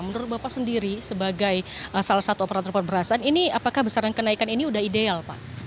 menurut bapak sendiri sebagai salah satu operator perberasan ini apakah besaran kenaikan ini sudah ideal pak